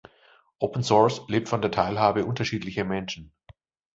Open Source lebt von der Teilhabe unterschiedlicher Menschen.